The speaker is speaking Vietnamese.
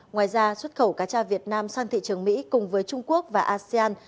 ngoài ra xuất khẩu cà cha việt nam sang thị trường mỹ cùng với trung quốc và asean